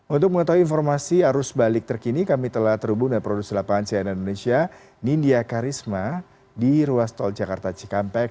untuk mengetahui informasi arus balik terkini kami telah terhubung dengan produser lapangan cnn indonesia nindya karisma di ruas tol jakarta cikampek